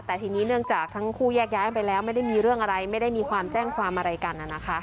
แต่ทีนี้เนื่องจากทั้งคู่แยกย้ายไปแล้วไม่ได้มีเรื่องอะไรไม่ได้มีความแจ้งความอะไรกัน